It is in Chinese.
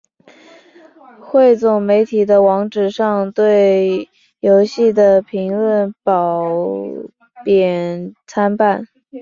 汇总媒体的网址上对游戏的评论褒贬参半。